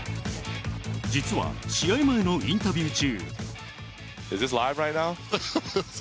実は、試合前のインタビュー中。